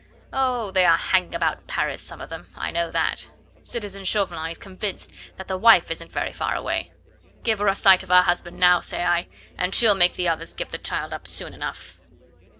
Oh! they are hanging about Paris some of them, I know that; citizen Chauvelin is convinced that the wife isn't very far away. Give her a sight of her husband now, say I, and she'll make the others give the child up soon enough."